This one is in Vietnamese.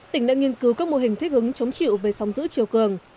tỉnh đã nghiên cứu các mô hình thích hứng chống chịu về sóng giữ chiều cường